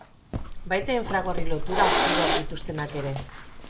Baita infragorri lotura aktiboak dituztenak ere.